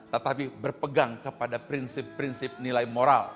tetapi berpegang kepada prinsip prinsip nilai moral